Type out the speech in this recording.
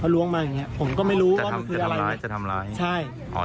จะทำลายบ้างเนี่ยแต่พี่ถึงจะมาช่วยเฉยผมก็ไม่รู้ว่ามันคืออะไร